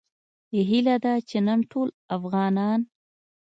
هیله ده چې نن ټول افغانان